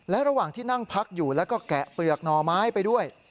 และระหว่างที่นั่งพักอยู่แล้วก็แกะเปลือกหน่อไม้ไปด้วย